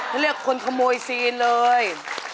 เขาเรียกคนขโมยซีนเลย